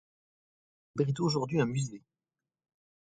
Il abrite aujourd'hui un musée.